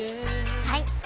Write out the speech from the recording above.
はい！